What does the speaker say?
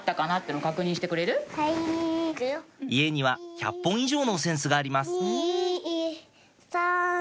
家には１００本以上のお扇子がありますさん